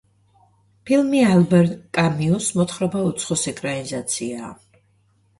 ფილმი ალბერ კამიუს მოთხრობა „უცხოს“ ეკრანიზაციაა.